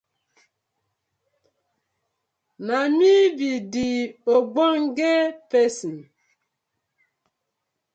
Na mi bi de ogbonge pesin.